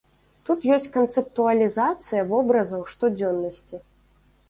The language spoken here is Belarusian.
Тут ёсць канцэптуалізацыя вобразаў штодзённасці.